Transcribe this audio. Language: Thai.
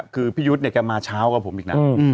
คือพี่ยูดครับมาเช้ากับผมดีกัน